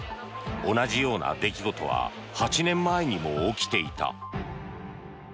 同じような出来事は８年前にも起きていた。